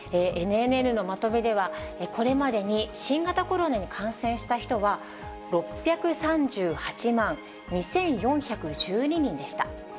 ＮＮＮのまとめでは、これまでに新型コロナに感染した人は、６３８万２４１２人でした。